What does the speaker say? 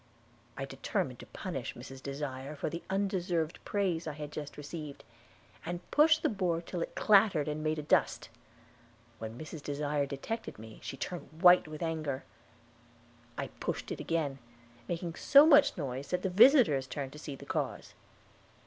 I determined to punish Mrs. Desire for the undeserved praise I had just received, and pushed the board till it clattered and made a dust. When Mrs. Desire detected me she turned white with anger. I pushed it again, making so much noise that the visitors turned to see the cause.